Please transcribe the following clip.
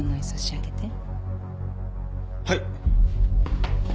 はい。